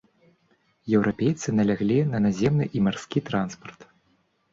Еўрапейцы наляглі на наземны і марскі транспарт.